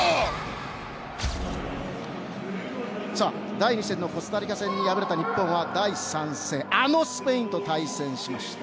第２戦のコスタリカ戦に敗れた日本は第３戦あのスペインと対戦しました。